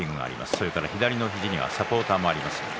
それから左の肘にはサポーターもあります。